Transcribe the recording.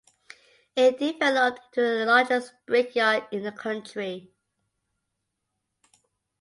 It developed into the largest brickyard in the country.